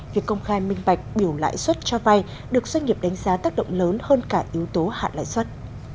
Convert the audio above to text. việc công khai minh bạch biểu lãi suất cho vay được doanh nghiệp đánh giá tác động lớn hơn cả yếu tố hạn lãi suất